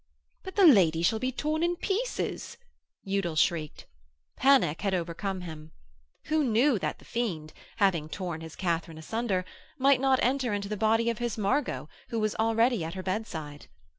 'But the lady shall be torn in pieces,' Udal shrieked. Panic had overcome him. Who knew that the fiend, having torn his Katharine asunder, might not enter into the body of his Margot, who was already at her bedside?